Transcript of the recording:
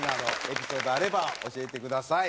エピソードあれば教えてください。